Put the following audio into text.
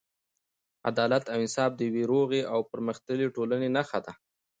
عدالت او انصاف د یوې روغې او پرمختللې ټولنې نښه ده.